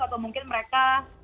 atau mungkin mereka